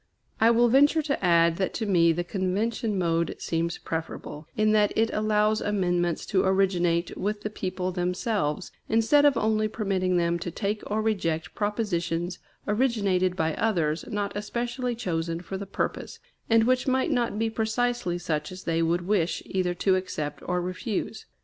I will venture to add that to me the convention mode seems preferable, in that it allows amendments to originate with the people themselves, instead of only permitting them to take or reject propositions originated by others not especially chosen for the purpose, and which might not be precisely such as they would wish either to accept or refuse.